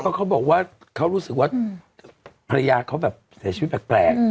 เขาบอกว่าเขารู้สึกว่าภรรยาเขาแบบเสียชีวิตแปลก